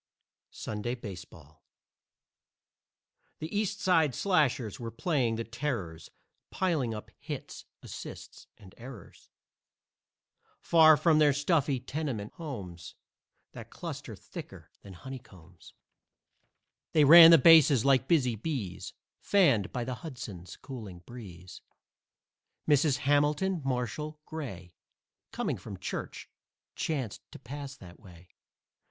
SUNDAY BASEBALL The East Side Slashers were playing the Terrors, Piling up hits, assists and errors; Far from their stuffy tenement homes That cluster thicker than honeycombs, They ran the bases like busy bees, Fanned by the Hudson's cooling breeze. Mrs. Hamilton Marshall Gray, Coming from church, chanced to pass that way.